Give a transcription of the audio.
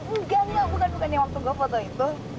enggak enggak bukan bukan yang waktu gue foto itu